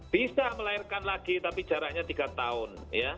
bisa melahirkan lagi tapi jaraknya tiga tahun